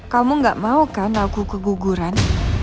kamu gak mau kan aku keguguran